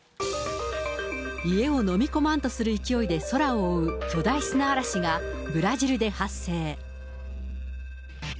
家を飲み込まんとする勢いで空を覆う巨大砂嵐が、ブラジルで発生。